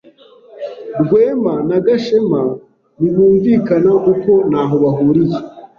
Rwema na Gashema ntibumvikana kuko ntaho bahuriye.